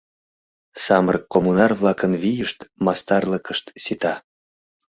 Самырык коммунар-влакын вийышт, мастарлыкышт сита.